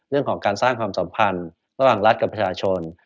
เรื่องของการสร้างความสัมพันธ์ระหว่างรัฐกับประชาชน